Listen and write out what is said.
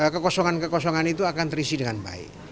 kekosongan kekosongan itu akan terisi dengan baik